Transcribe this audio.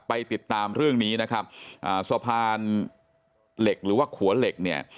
ไปติดตามเรื่องนี้นะครับอ่าสะพานเหล็กหรือว่าขัวเหล็กเนี่ย